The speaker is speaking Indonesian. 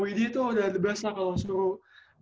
widy tuh udah dibiasa kalau suruh